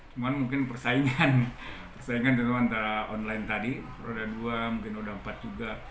cuman mungkin persaingan persaingan dulu antara online tadi roda dua mungkin roda empat juga